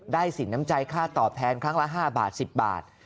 สินน้ำใจค่าตอบแทนครั้งละ๕บาท๑๐บาท